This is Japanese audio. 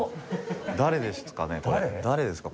誰ですかね？